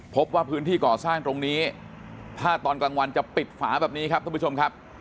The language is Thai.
พบว่าพื้นที่ก่อสร้างตรงนี้ถ้าตอนกลางวันจะปิดฝาแบบนี้ครับท่านผู้ชมครับ